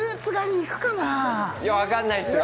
いや分かんないっすよ